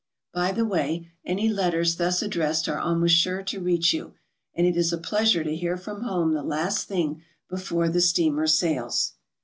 (By the way, any letters thus addressed are almost sure to reach you, and it is a pleasure to hear from home the last thing before the steamer sails.)